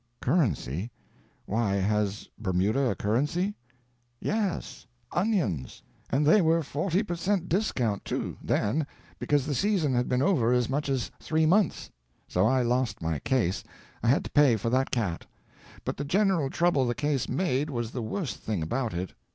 "Currency? Why, has Bermuda a currency?" "Yes onions. And they were forty per cent. discount, too, then, because the season had been over as much as three months. So I lost my case. I had to pay for that cat. But the general trouble the case made was the worst thing about it.